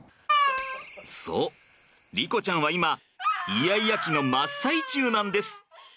莉子ちゃんは今イヤイヤ期の真っ最中なんです。